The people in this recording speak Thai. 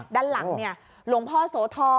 ด้านหลังหลวงพ่อโสธร